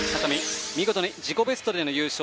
見事に自己ベストでの優勝。